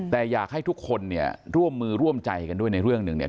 แต่อยากให้ทุกคนเนี่ยร่วมมือร่วมใจกันด้วยในเรื่องหนึ่งเนี่ย